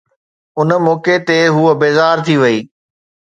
ان موقعي تي هوءَ بيزار ٿي وئي